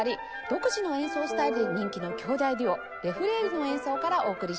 独自の演奏スタイルで人気の兄弟デュオレ・フレールの演奏からお送りします。